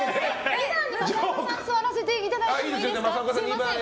２番に正岡さん座らせていただいていいですか。